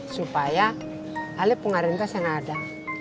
supaya alih pengaruh kita sana ada